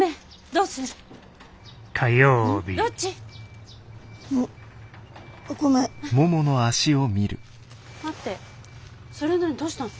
どうしたの？